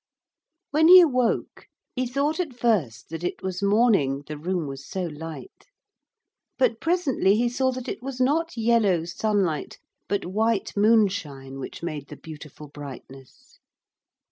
When he awoke he thought at first that it was morning, the room was so light. But presently he saw that it was not yellow sunlight but white moonshine which made the beautiful brightness.